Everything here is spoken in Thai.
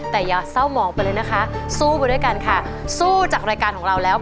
แต่อย่าเศร้าหมองไปเลยนะคะสู้ไปด้วยกันค่ะสู้จากรายการของเราแล้ว